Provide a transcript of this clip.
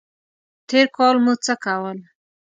تېر کال مو څه کول؟